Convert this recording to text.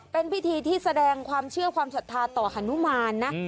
เป็นพิธีที่แสดงความเชื่อความศรัทธาต่อฮนุมานนะ